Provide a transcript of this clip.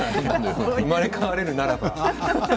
生まれ変われるならば。